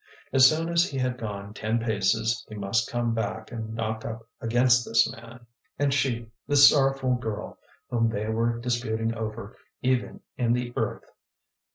As soon as he had gone ten paces he must come back and knock up against this man. And she, this sorrowful girl whom they were disputing over even in the earth!